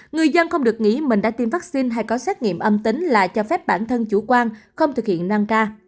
người dân không được nghĩ mình đã tiêm vaccine hay có xét nghiệm âm tính là cho phép bản thân chủ quan không thực hiện năng ca